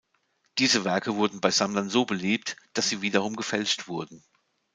Diese Werke wurden bei Sammlern so beliebt, dass sie wiederum gefälscht wurden.